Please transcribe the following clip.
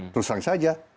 terus langsung saja